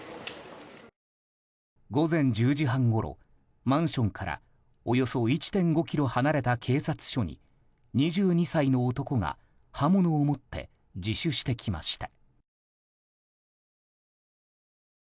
午前１０時半ごろマンションからおよそ１．５ｋｍ離れた警察署に２２歳の男が刃物を持って自首してきました。